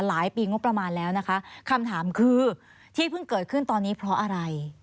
หลายปีงบประมาณแล้วนะคะคำถามคือที่เพิ่งเกิดขึ้นตอนนี้เพราะอะไร